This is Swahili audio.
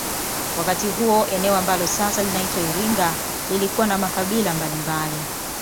Wakati huo eneo ambalo sasa linaitwa iringa lilikuwa na makabila mbalimbali